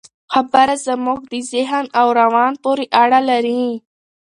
خبره زموږ د ذهن او روان پورې اړه لري.